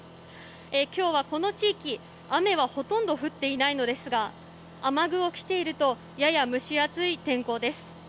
今日は、この地域雨はほとんど降っていませんが雨具を着ているとやや蒸し暑い天候です。